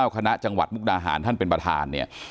คณะจังหวัดมุกดาหารท่านเป็นประธานเนี่ย